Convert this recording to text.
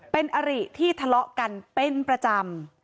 เป็นอริที่ทะเลาะกันเป็นประจำ